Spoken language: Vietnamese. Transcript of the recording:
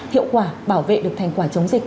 hiệu quả bảo vệ được thành quả chống dịch